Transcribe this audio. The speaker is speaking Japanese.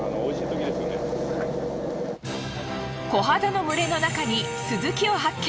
コハダの群れの中にスズキを発見。